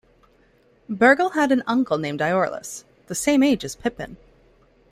Bergil had an uncle named Iorlas, the same age as Pippin.